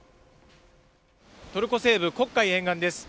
トルコ西部、黒海沿岸です。